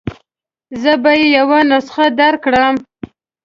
زه به يې یوه نسخه درکړم.